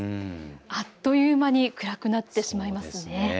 あっという間に暗くなってしまいますよね。